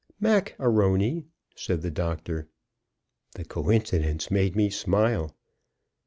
"Mac A'Rony," said the doctor. The coincidence made me smile.